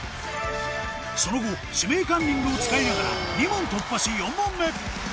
その後「指名カンニング」を使いながら４問目！